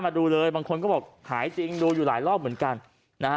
มาดูเลยบางคนก็บอกหายจริงดูอยู่หลายรอบเหมือนกันนะฮะ